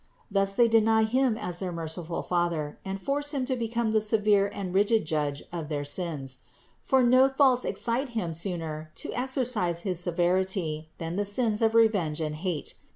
Thus they deny Him as their merciful Father and force Him to become the severe and rigid Judge of their sins; for no faults excite Him sooner to exercise his severity than the sins of revenge and hate.